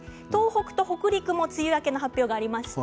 東北と北陸も梅雨明けの発表がありました。